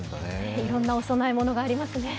いろいろなお供え物がありますね。